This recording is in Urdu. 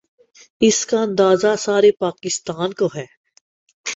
، اس کا اندازہ سارے پاکستان کو ہے۔